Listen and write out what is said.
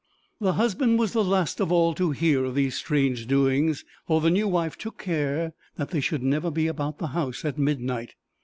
The husband was the last of all to hear of these strange doings, for the new wife took care that they should never be about the house at midnight.